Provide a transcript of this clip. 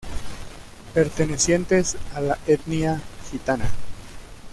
Pertenecientes a la etnia gitana.